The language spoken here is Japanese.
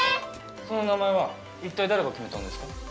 その名前はいったい誰が決めたんですか？